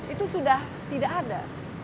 itu sudah tidak ada